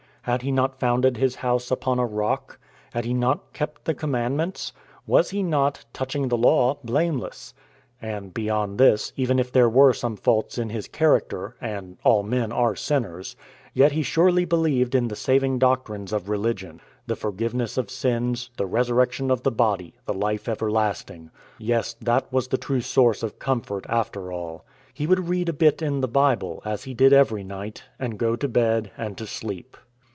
Had he not founded his house upon a rock? Had he not kept the Commandments? Was he not, "touching the law, blameless"? And beyond this, even if there were some faults in his character and all men are sinners yet he surely believed in the saving doctrines of religion the forgiveness of sins, the resurrection of the body, the life everlasting. Yes, that was the true source of comfort, after all. He would read a bit in the Bible, as he did every night, and go to bed and to sleep.